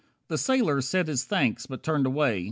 The sailor said his thanks, but turned away.